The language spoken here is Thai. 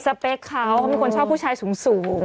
เปคเขาเขาเป็นคนชอบผู้ชายสูง